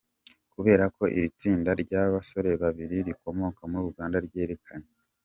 kubera ko iri tsinda ryabasore babiri rikomoka muri Uganda ryerekanye.